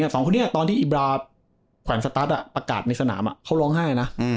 สองคนนี้ตอนที่อิบราแขวนสตัสประกาศในสนามเขาร้องไห้นะ